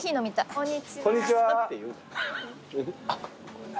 こんにちは。